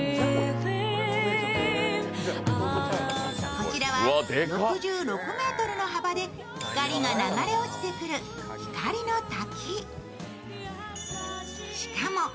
こちらは６６ｍの幅で光が流れ落ちてくる光の滝。